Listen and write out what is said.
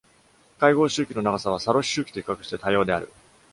会合周期の長さは、サロス周期と比較して多様である。